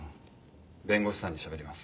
弁護士さんに喋ります。